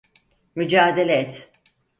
Mücadele et!